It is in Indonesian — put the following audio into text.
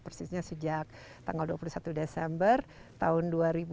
persisnya sejak tanggal dua puluh satu desember tahun dua ribu dua puluh